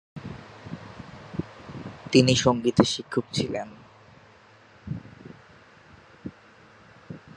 তিনি সঙ্গীতের শিক্ষক ছিলেন।